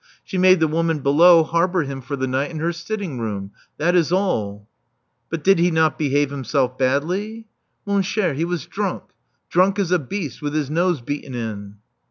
She made the woman below harbor him for the night in her sitting room. That is all." But did he not behave himself badly?" ^'Mon cher^ he was drunk — drunk as a beast, with his nose beaten in."